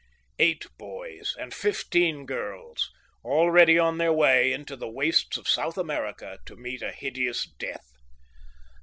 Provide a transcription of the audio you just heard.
Eight boys and fifteen girls, already on their way into the wastes of South America, to meet a hideous death.